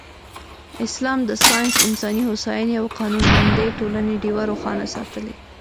اسلام د ساینس، انساني هوساینې او قانونمندې ټولنې ډېوه روښانه ساتلې.